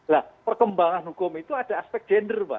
nah perkembangan hukum itu ada aspek gender pak